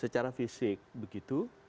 secara fisik begitu